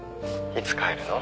いつ帰るの？